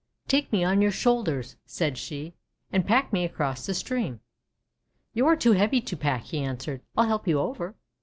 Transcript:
"Take me on your shoulders," said she, "and pack me across the stream." "You are too heavy to pack," he answered; "I '11 help you over."